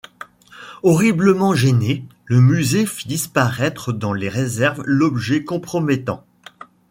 Horriblement gêné, le musée fit disparaître dans les réserves l'objet compromettant.